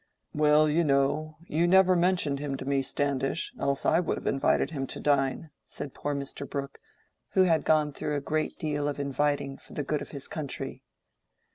"Well, you know, you never mentioned him to me, Standish, else I would have invited him to dine," said poor Mr. Brooke, who had gone through a great deal of inviting for the good of his country.